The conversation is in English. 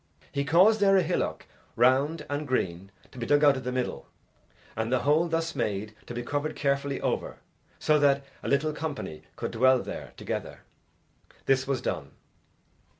He caused there a hillock, round and green, to be dug out of the middle, and the hole thus made to be covered carefully over, so that a little company could dwell there together. This was done.